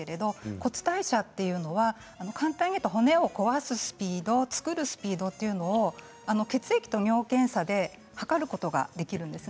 骨代謝というのは簡単に言うと骨を壊すスピード作るスピードを血液と尿検査で測ることができるんです。